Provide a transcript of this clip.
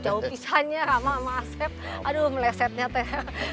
jauh pisahnya rama sama asep aduh melesetnya teh